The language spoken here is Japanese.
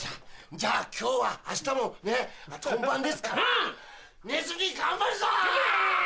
じゃあ今日は明日本番ですから寝ずに頑張るぞ。